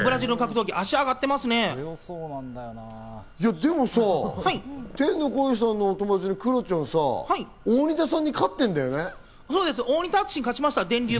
でもさ、天の声さんのお友達のクロちゃんさ、大仁田さんに勝ってるんだよね？